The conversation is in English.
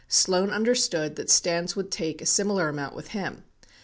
70 Sloan understood that Stans would take a similar amount with him.